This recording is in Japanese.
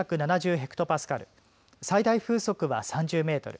ヘクトパスカル最大風速は３０メートル